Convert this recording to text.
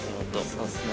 そうっすね。